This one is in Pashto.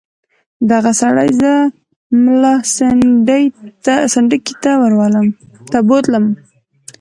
دغه سړي زه ملا سنډکي ته بوتلم.